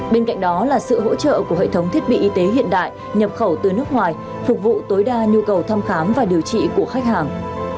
bên cạnh đó là sự hỗ trợ của hệ thống thiết bị y tế hiện đại nhập khẩu từ nước ngoài phục vụ tối đa nhu cầu thăm khám và điều trị của khách hàng